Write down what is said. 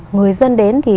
người dân đến thì